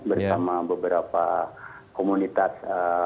bersama beberapa komunitas